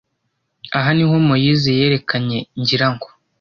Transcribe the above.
Aha niho Moise yerekanye, ngira ngo.